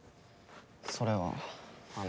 それはあの。